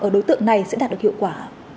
ở đối tượng này sẽ đạt được hiệu quả